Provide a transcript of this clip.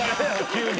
急に。